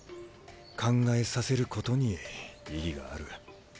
考えさせることに意義がある。